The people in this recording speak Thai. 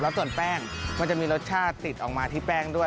แล้วส่วนแป้งมันจะมีรสชาติติดออกมาที่แป้งด้วย